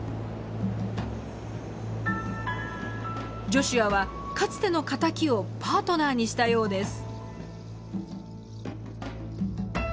ジョシュアはかつての敵をパートナーにしたようです。